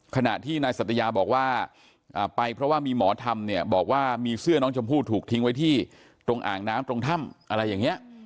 ขณะที่นายสัตยาบอกว่าไปเพราะว่ามีหมอธรรมเนี่ยบอกว่ามีเสื้อน้องชมพู่ถูกทิ้งไว้ที่ตรงอ่างน้ำตรงถ้ำอะไรอย่างนี้